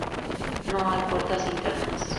No hay puertas internas.